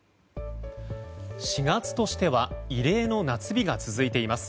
４月としては異例の夏日が続いています。